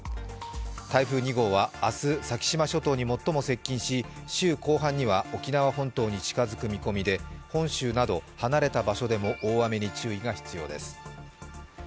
台風２号は明日、先島諸島に最も接近し週後半には沖縄本島に近付く見込みで本州などは慣れた場所でも大雨に注意が必要です。